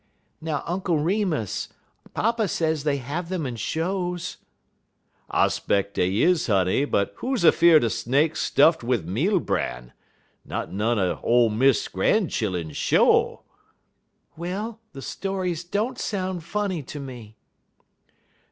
"Now, Uncle Remus! papa says they have them in shows." "I 'speck dey is, honey, but who's afear'd er snake stufft wid meal bran? Not none er ole Miss gran'chillun, sho'!" "Well, the stories don't sound funny to me."